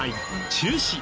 中止。